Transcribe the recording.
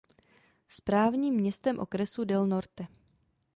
Správním městem okresu je Del Norte.